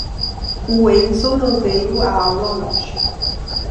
O Enzo não veio à aula hoje.